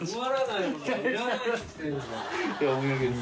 いやお土産です。